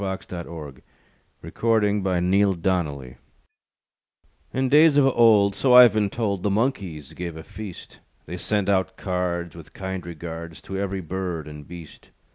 THE FEAST OF THE MONKEYS BY JOHN PHILIP SOUSA In days of old, So I've been told, The monkeys gave a feast. They sent out cards, With kind regards, To every bird and beast.